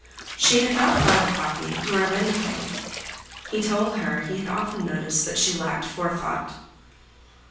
She had not thought of coffee nor of anything. He told her he had often noticed that she lacked forethought.